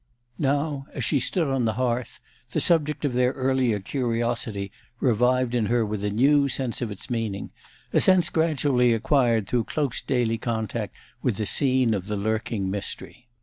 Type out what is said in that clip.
Now, as she stood on the hearth, the subject of their earlier curiosity revived in her with a new sense of its meaning a sense gradually acquired through close daily contact with the scene of the lurking mystery.